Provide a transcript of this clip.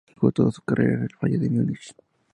Jugó toda su carrera en el Bayern de Múnich.